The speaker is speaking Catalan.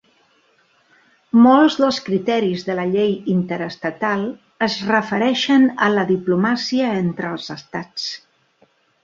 Molts dels criteris de la llei interestatal es refereixen a la diplomàcia entre els estats.